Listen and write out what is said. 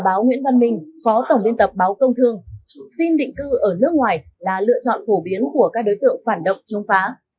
báo nguyễn văn minh phó tổng biên tập báo công thương xin định cư ở nước ngoài là lựa chọn phổ biến của các đối tượng phản động chống phá